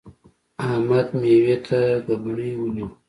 احمد؛ مېوې ته ګبڼۍ ونیو.